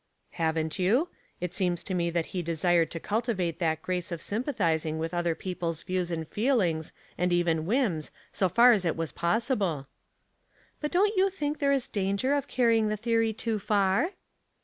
" Haven't you ? It seems to me that he de sired to cultivate that grace of 83^11 pathizing with other people's views and feelings, and even whims, so far as it v/as possible." *' But don't you think there is danger of carry ing the theory too far